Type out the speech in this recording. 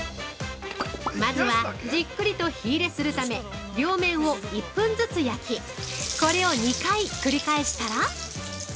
◆まずはじっくりと火入れするため両面を１分ずつ焼き、これを２回繰り返したら。